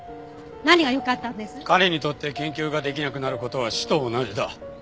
彼にとって研究ができなくなる事は死と同じだ。